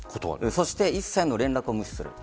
そして一切の連絡を無視します。